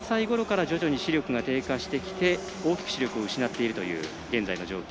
シャタロフ、７歳ごろから徐々に視力が低下してきて大きく視力を失っているという現在の状況。